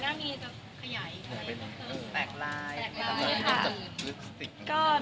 มีหน้ามีก็ขยาย